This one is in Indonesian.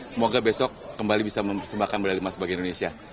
semoga besok kembali bisa mempersembahkan medali emas bagi indonesia